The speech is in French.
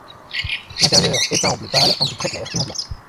L'intérieur est peint en bleu pâle, en gris très clair et en blanc.